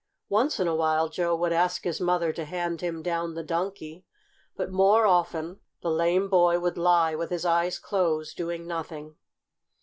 Once in a while Joe would ask his mother to hand him down the Donkey, but more often the lame boy would lie with his eyes closed, doing nothing.